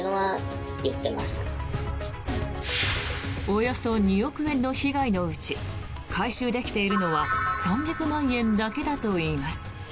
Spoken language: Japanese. およそ２億円の被害のうち回収できているのは３００万円だけだといいます。